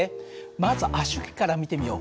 まず圧縮機から見てみよう。